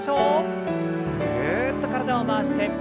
ぐるっと体を回して。